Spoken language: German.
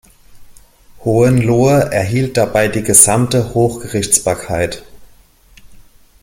Hohenlohe erhielt dabei die gesamte Hochgerichtsbarkeit.